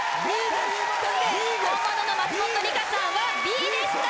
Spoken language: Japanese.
本物の松本梨香さんはＢでした！